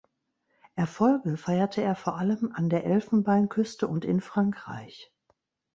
Erfolge feierte er vor allem an der Elfenbeinküste und in Frankreich.